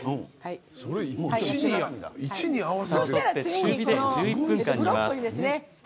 そしたら、次にブロッコリーですね。